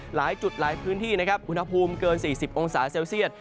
หลายจุดหลายพื้นที่นะครับอุณหภูมิเกิน๔๐องศาเซลเซียต